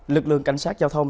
lực lượng cảnh sát giao thông